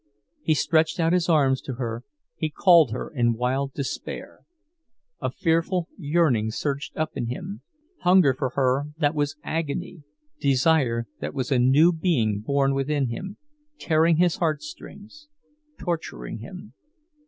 He stretched out his arms to her, he called her in wild despair; a fearful yearning surged up in him, hunger for her that was agony, desire that was a new being born within him, tearing his heartstrings, torturing him.